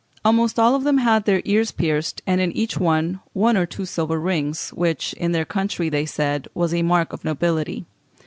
Almost all of them had their ears pierced, and in each one or two silver rings, which in their country, they said, was a mark of nobility.